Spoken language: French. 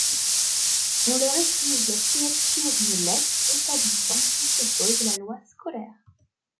On leur exige la signature d'une lettre établissant qu’ils s’opposent à la loi scolaire.